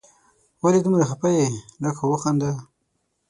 ولي دومره خفه یې ؟ لږ خو وخانده